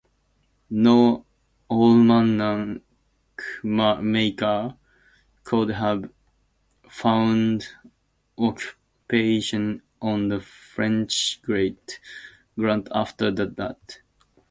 No almanac-maker could have found occupation on the French Grant after that.